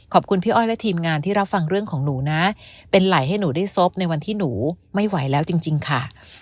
ขอบคุณพี่อ้อยและทีมงานที่รับฟังเรื่องของหนูนะเป็นไหล่ให้หนูได้ซบในวันที่หนูไม่ไหวแล้วจริงค่ะ